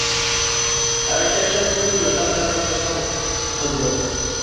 ھەر چارشەنبە كۈنى ياتاق زاكاز قىلىشقا بولىدۇ.